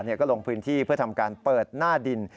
ก็ลงพื้นที่เพื่อทำการเปิดหน้าดิน